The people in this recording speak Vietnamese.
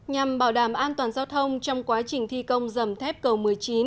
nhằm bảo đảm an toàn giao thông trong quá trình thi công dầm thép cầu một mươi chín